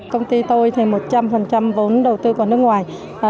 công ty tôi thì một trăm linh vốn đầu tư của nước ngoài